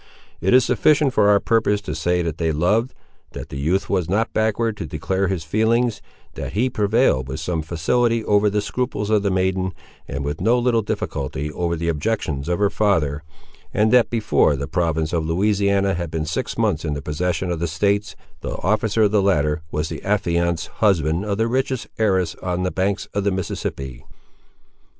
It is sufficient for our purpose to say that they loved, that the youth was not backward to declare his feelings, that he prevailed with some facility over the scruples of the maiden, and with no little difficulty over the objections of her father, and that before the province of Louisiana had been six months in the possession of the States, the officer of the latter was the affianced husband of the richest heiress on the banks of the Mississippi.